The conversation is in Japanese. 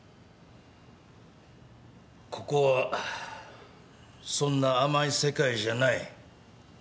ここはそんな甘い世界じゃない。